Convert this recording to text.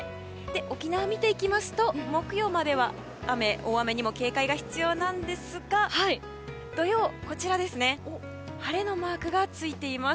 沖縄を見ていきますと木曜までは雨で大雨にも警戒が必要ですが土曜は晴れのマークがついています。